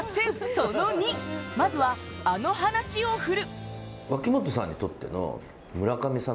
その２、まずは、あの話を振る。